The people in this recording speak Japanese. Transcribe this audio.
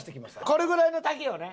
これぐらいの丈よね？